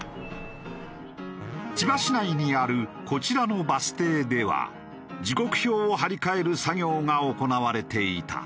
千葉市内にあるこちらのバス停では時刻表を貼り替える作業が行われていた。